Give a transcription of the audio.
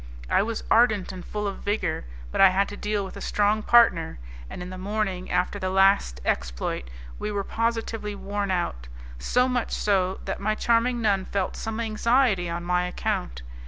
I was ardent and full of vigour, but I had to deal with a strong partner, and in the morning, after the last exploit, we were positively worn out; so much so that my charming nun felt some anxiety on my account.